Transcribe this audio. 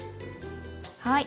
はい。